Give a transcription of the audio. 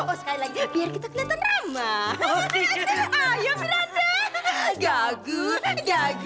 oh sekali lagi biar kita kelihatan ramah